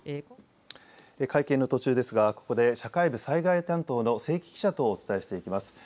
会見の途中ですがここで社会部災害担当の清木記者とお伝えしていきます。